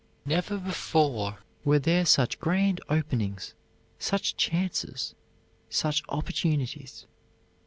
Never before were there such grand openings, such chances, such opportunities.